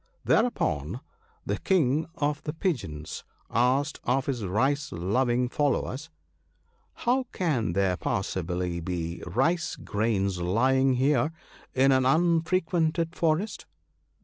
Thereupon the King of the Pigeons asked of his rice loving followers, ' How can there possibly be rice grains lying here in an unfrequented forest